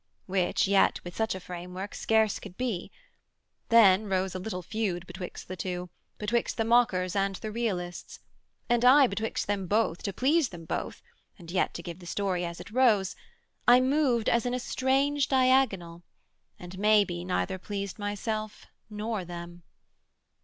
Which yet with such a framework scarce could be. Then rose a little feud betwixt the two, Betwixt the mockers and the realists: And I, betwixt them both, to please them both, And yet to give the story as it rose, I moved as in a strange diagonal, And maybe neither pleased myself nor them.